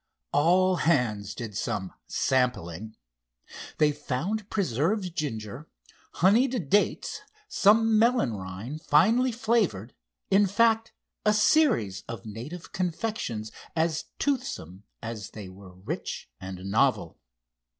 All hands did some "sampling." They found preserved ginger, honeyed dates, some melon rind finely flavored—in fact a series of native confections as toothsome as they were rich and novel.